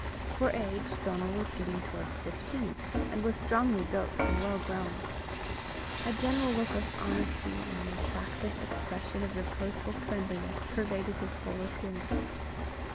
For age, Donal was getting towards fifteen, and was strongly built and well grown. A general look of honesty, and an attractive expression of reposeful friendliness pervaded his whole appearance.